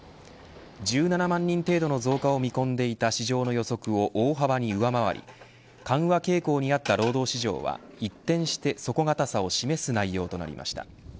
１７万人程度の増加を見込んでいた市場の予測を大幅に上回り緩和傾向にあった労働市場は一転して底堅さを示す内容となりました。